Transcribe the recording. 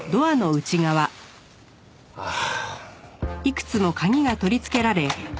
ああ。